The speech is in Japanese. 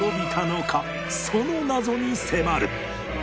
その謎に迫る